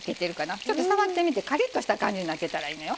ちょっと触ってみてカリッとした感じになってたらいいのよ。